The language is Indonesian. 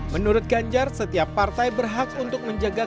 menurut ganjar setiap partai berhak untuk menjaga